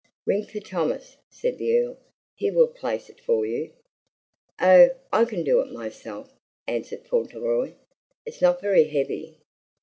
"Ring for Thomas," said the Earl. "He will place it for you." "Oh, I can do it myself," answered Fauntleroy. "It's not very heavy."